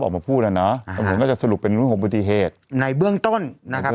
บอกมาพูดแล้วน่ะอืมก็จะสรุปเป็นอุบัติเหตุในเบื้องต้นนะครับ